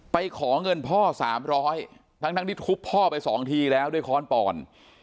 ไปขอเงินพ่อสามร้อยทั้งทั้งที่ทุบพ่อไปสองทีแล้วด้วยค้อนป่อน